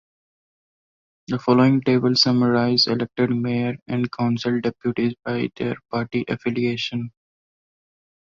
The following tables summarize the elected mayors and council deputies by their party affiliation.